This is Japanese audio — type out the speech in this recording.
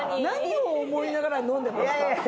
何を思いながら飲んでますか？